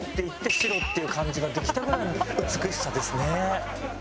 「白」っていう漢字ができたぐらいの美しさですね。